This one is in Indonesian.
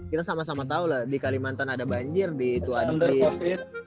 kita sama sama tau lah di kalimantan ada banjir di tuan riz